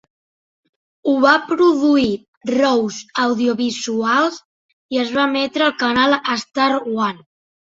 Ho va produir Rose Audio Visuals i es va emetre al canal Star One.